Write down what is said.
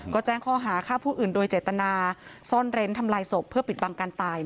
ก็แจ้งข้อหาฆ่าผู้อื่นโดยเจตนาซ่อนเร้นทำลายศพเพื่อปิดบังการตาย